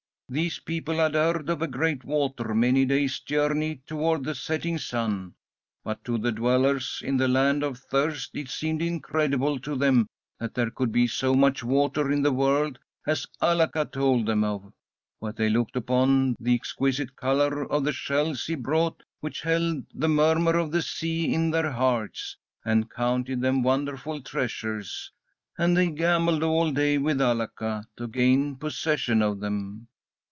These people had heard of a great water many days' journey toward the setting sun, but to the dwellers in the Land of Thirst it seemed incredible to them that there could be so much water in the world as Alaka told them of. But they looked upon the exquisite colour of the shells he brought, which held the murmur of the sea in their hearts, and counted them wonderful treasures. And they gambled all day with Alaka to gain possession of them.